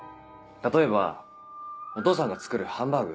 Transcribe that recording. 例えばお父さんが作るハンバーグ。